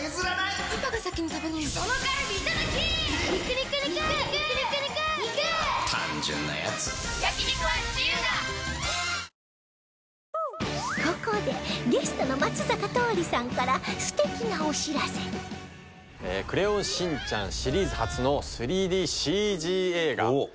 ニトリここでゲストの『クレヨンしんちゃん』シリーズ初の ３ＤＣＧ 映画『しん次元！